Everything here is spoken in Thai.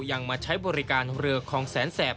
ยังมาใช้บริการเรือคลองแสนแสบ